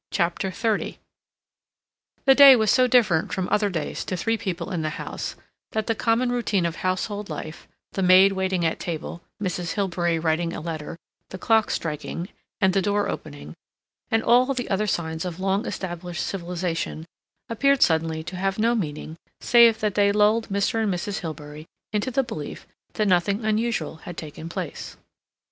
CHAPTER XXX The day was so different from other days to three people in the house that the common routine of household life—the maid waiting at table, Mrs. Hilbery writing a letter, the clock striking, and the door opening, and all the other signs of long established civilization appeared suddenly to have no meaning save as they lulled Mr. and Mrs. Hilbery into the belief that nothing unusual had taken place.